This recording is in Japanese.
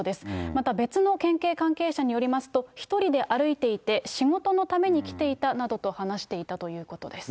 また、別の県警関係者によりますと、１人で歩いていて、仕事のために来ていたなどと話していたということです。